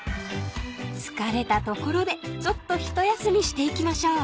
［疲れたところでちょっと一休みしていきましょう］